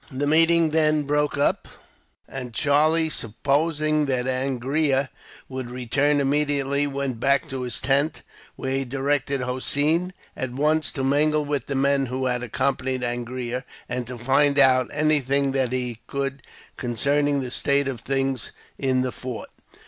The meeting then broke up; and Charlie, supposing that Angria would return immediately, went back to his tent; where he directed Hossein at once to mingle with the men who had accompanied Angria, and to find out anything that he could concerning the state of things in the fort.